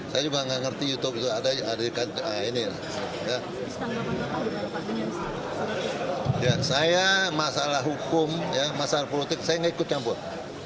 saya masalah hukum masalah politik saya enggak ikut campur